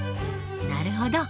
なるほど。